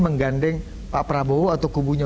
menggandeng pak prabowo atau kubunya